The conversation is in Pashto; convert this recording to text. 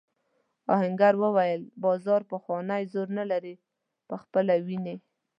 آهنګر وویل بازار پخوانی زور نه لري خپله وینې.